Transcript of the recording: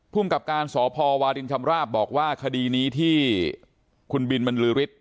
ผู้กับการสพวธรรมราบบอกว่าคดีนี้ที่คุณบิลมันลื้อริฐ